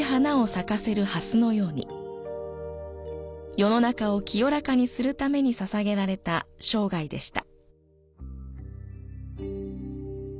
世の中を清らかにするために捧げられた生涯でした。